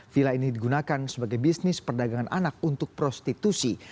villa ini digunakan sebagai bisnis perdagangan anak untuk prostitusi